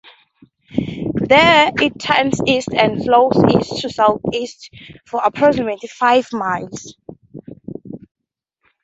There it turns east and flows east to southeast for approximately five miles.